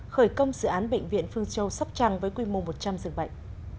khởi công dự án bệnh viện phương châu sóc trăng với quy mô một trăm linh dường bệnh